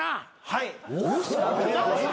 はい。